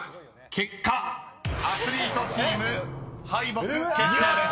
［結果アスリートチーム敗北決定です］